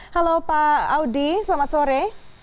halo pak audi selamat sore